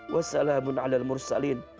wa salamun ala mursalin